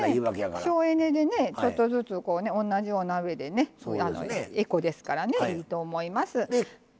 省エネで、ちょっとずつ同じような鍋でエコですからいいと思います。